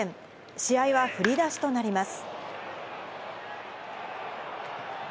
試合は振り出しとなります。